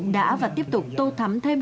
đã và tiếp tục tô thắm thêm